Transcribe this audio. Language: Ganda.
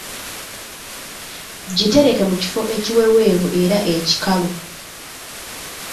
Gitereke mu kifo ekiweweevu era ekikalu.